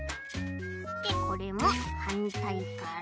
でこれもはんたいから。